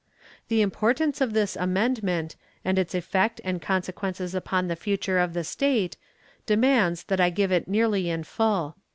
The importance of this amendment, and its effect and consequences upon the future of the state, demands that I give it nearly in full.